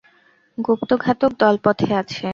গুপ্তঘাতক দল পথে আছে।